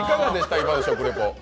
今の食レポ？